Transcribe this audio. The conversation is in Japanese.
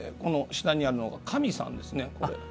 下にあるのが神さんですね。